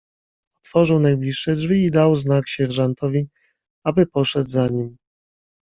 "Otworzył najbliższe drzwi i dał znak sierżantowi, aby poszedł za nim."